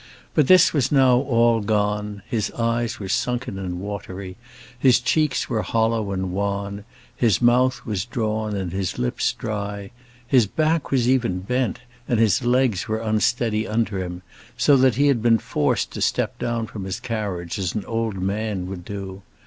But this was now all gone; his eyes were sunken and watery, his cheeks were hollow and wan, his mouth was drawn and his lips dry; his back was even bent, and his legs were unsteady under him, so that he had been forced to step down from his carriage as an old man would do.